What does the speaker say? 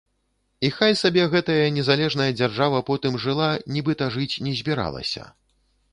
І хай сабе гэтая незалежная дзяржава потым жыла, нібыта жыць не збіралася.